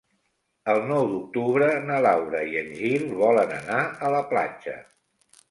El nou d'octubre na Laura i en Gil volen anar a la platja.